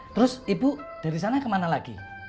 terus ibu dari sana kemana lagi